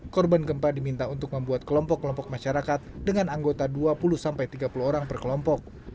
korban gempa diminta untuk membuat kelompok kelompok masyarakat dengan anggota dua puluh tiga puluh orang per kelompok